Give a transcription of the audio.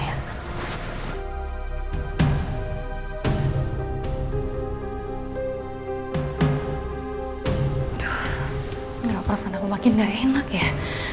aduh perasaan aku makin gak enak ya